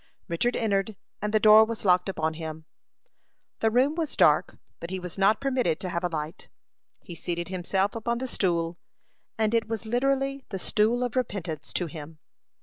Richard entered, and the door was locked upon him. The room was dark, but he was not permitted to have a light. He seated himself upon the stool, and it was literally the stool of repentance to him.